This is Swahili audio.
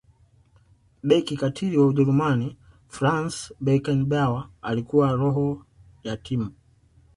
beki katili wa ujerumani franz beckenbauer alikuwa roho ya timu